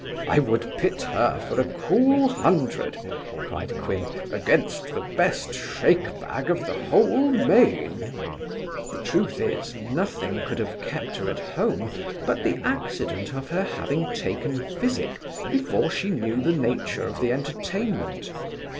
'I would pit her for a cool hundred (cried Quin) against the best shake bag of the whole main.' The truth is, nothing could have kept her at home but the accident of her having taken physic before she knew the nature of the entertainment.